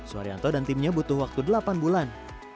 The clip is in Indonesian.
suharyanto dan timnya butuh waktu delapan bulan